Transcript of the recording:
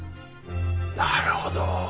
なるほど。